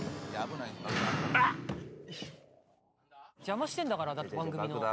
うわっ！邪魔してんだから番組の。